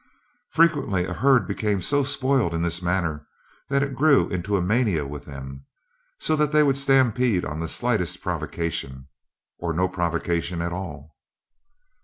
Frequently a herd became so spoiled in this manner that it grew into a mania with them, so that they would stampede on the slightest provocation, or no provocation at all.